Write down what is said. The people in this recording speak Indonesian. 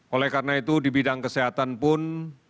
oleh karena itu di bidang kesehatan pun